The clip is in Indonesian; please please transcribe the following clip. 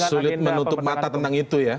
sulit menutup mata tentang itu ya